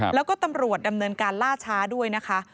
แล้วก็ตำรวจดำเนินการล่าช้าด้วยนะคะ